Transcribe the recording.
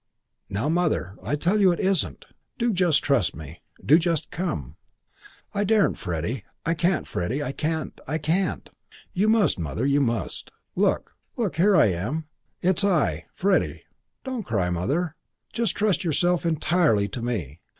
"Now, Mother, I tell you it isn't. Do just trust me. Do just come." "I daren't, Freddie. I can't, Freddie. I can't. I can't." "You must. Mother, you must. Look, look, here I am. It's I, Freddie. Don't cry, Mother. Just trust yourself entirely to me.